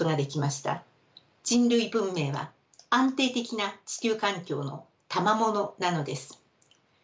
人類文明は安定的な地球環境のたまものなのです。